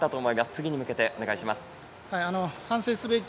次に向けてお願いします。